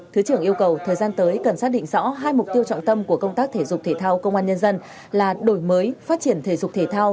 thứ trưởng yêu cầu thời gian tới cần xác định rõ hai mục tiêu trọng tâm của công tác thể dục thể thao công an nhân dân là đổi mới phát triển thể dục thể thao